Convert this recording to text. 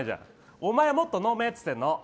お前もっと飲めって言っているの。